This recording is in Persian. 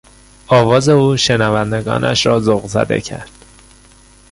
آواز او شنوندگانش را ذوق زده کرد.